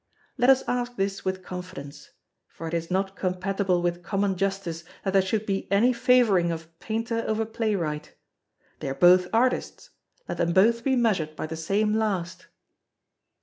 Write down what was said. Let us ask this with confidence; for it is not compatible with common justice that there should be any favouring of Painter over Playwright. They are both artists—let them both be measured by the same last!